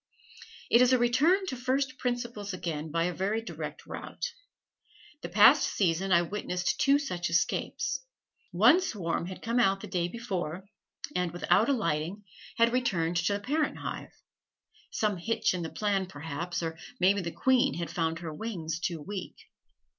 It is a return to first principles again by a very direct route. The past season I witnessed two such escapes. One swarm had come out the day before, and, without alighting, had returned to the parent hive some hitch in the plan, perhaps, or may be the queen had found her wings too weak.